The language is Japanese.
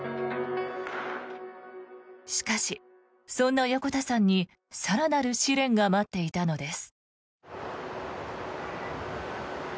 しかし、そんな横田さんに更なる試練が待っていたのです。